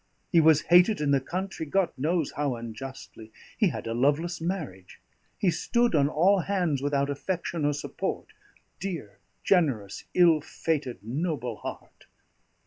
He was hated in the country, God knows how unjustly. He had a loveless marriage. He stood on all hands without affection or support dear, generous, ill fated, noble heart!"